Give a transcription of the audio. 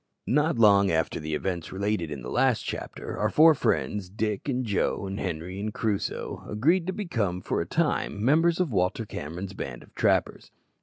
Not long after the events related in the last chapter, our four friends Dick, and Joe, and Henri, and Crusoe agreed to become for a time members of Walter Cameron's band of trappers.